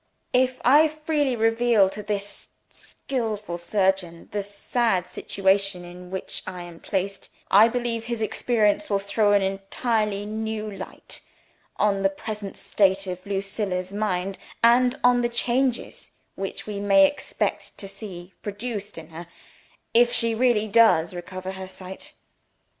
If I freely reveal to this skillful surgeon the sad situation in which I am placed, I believe his experience will throw an entirely new light on the present state of Lucilla's mind, and on the changes which we may expect to see produced in her, if she really does recover her sight.